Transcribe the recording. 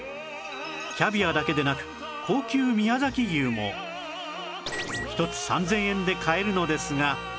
キャビアだけでなく高級宮崎牛も１つ３０００円で買えるのですが